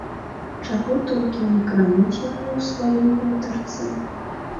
Чаго толькі не крануць яны ў сваёй гутарцы?